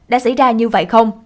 đã xảy ra như vậy không